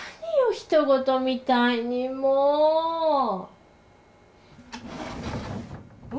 ひと事みたいにもう。